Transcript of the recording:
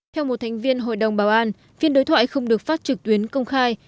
theo một thành viên hội đồng bảo an phiên đối thoại không được phát trực tuyến công khai